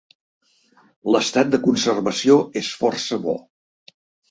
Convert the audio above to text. L'estat de conservació és força bo.